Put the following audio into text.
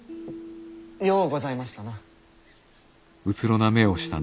ようございましたな。